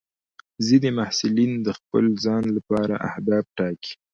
ځینې محصلین د خپل ځان لپاره اهداف ټاکي.